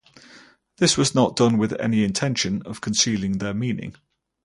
This was not done with any intention of concealing their meaning.